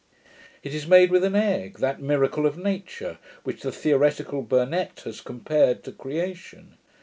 It is made with an egg, that miracle of nature, which the theoretical Burnet has compared to creation.